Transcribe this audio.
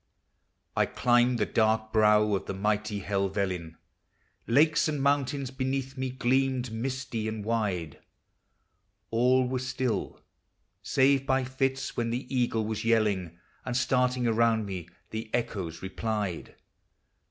] I climbed the dark brow of the mighty Helvellyn, Lakes and mountains beneath me gleamed misty and wide: All was still, save, by fits, when the eagle was yelling, And starting around me the echoes replied.